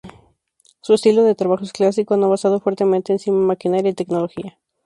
Su estilo de trabajo es clásico, no basado fuertemente encima maquinaria y tecnología.